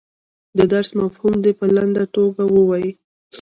د درس مفهوم دې په لنډه توګه ووایي.